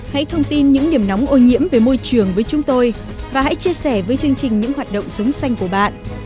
hãy thông tin những điểm nóng ô nhiễm về môi trường với chúng tôi và hãy chia sẻ với chương trình những hoạt động sống xanh của bạn